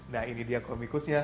nah ini dia komikusnya